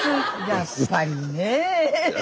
やっぱりねえ。